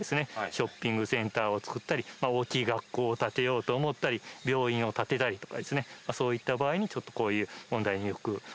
ショッピングセンターを作ったり大きい学校を建てようと思ったり病院を建てたりとかですねそういった場合に。